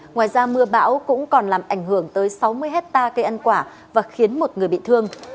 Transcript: ngoài ra mưa bão cũng còn làm ảnh hưởng tới sáu mươi hectare cây ăn quả và khiến một người bị thương